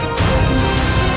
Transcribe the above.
aku akan menang